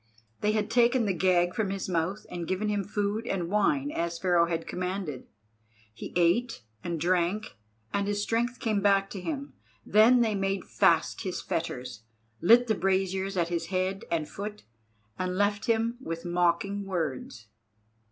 They had taken the gag from his mouth, and given him food and wine as Pharaoh commanded. He ate and drank and his strength came back to him. Then they made fast his fetters, lit the braziers at his head and foot, and left him with mocking words.